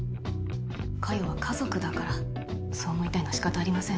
加代は家族だからそう思いたいのは仕方ありません